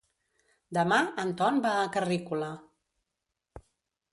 Demà en Ton va a Carrícola.